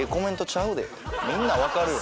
みんな分かるよ。